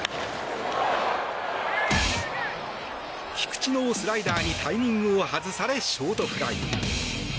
菊池のスライダーにタイミングを外されショートフライ。